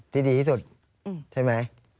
ที่ดีที่สุดใช่ไหม